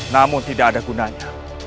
namun tidak ada gunanya